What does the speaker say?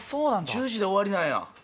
１０時で終わりなんや。